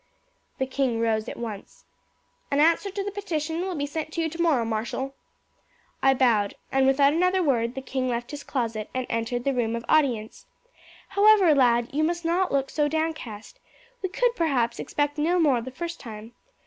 The king rose at once. "An answer to the petition will be sent to you tomorrow, marshal." "I bowed, and without another word the king left his closet and entered the room of audience. However, lad, you must not look so downcast. We could perhaps expect no more the first time.